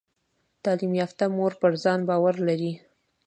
تعلیم یافته مور پر ځان باور لري۔